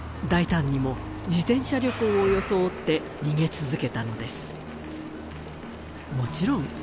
大胆にも自転車旅行を装って逃げ続けたのですもちろん